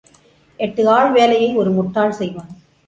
எட்டு ஆள் வேலையை ஒரு முட்டாள் செய்வான்.